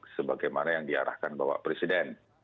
sebagaimana yang diarahkan bapak presiden